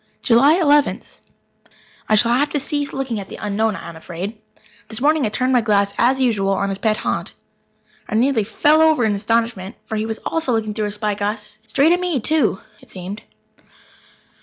July Eleventh. I shall have to cease looking at the Unknown, I am afraid. This morning I turned my glass, as usual, on his pet haunt. I nearly fell over in my astonishment, for he was also looking through a spyglass straight at me, too, it seemed.